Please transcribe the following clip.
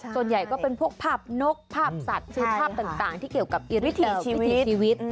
ส่วนใหญ่ก็เป็นพวกภาพนกภาพสัตว์คือภาพต่างที่เกี่ยวกับอิริวิถีชีวิต